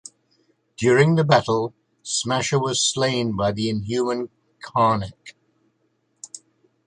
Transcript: During the battle, Smasher was slain by the Inhuman Karnak.